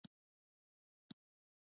ګوړه یې هم په همدې مېله کې واخیستله.